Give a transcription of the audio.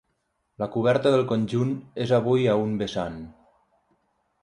La coberta del conjunt és avui a un vessant.